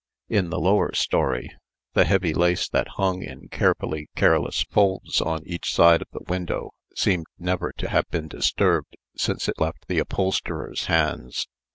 In the lower story, the heavy lace that hung in carefully careless folds on each side of the window, seemed never to have been disturbed since it left the upholsterer's hands.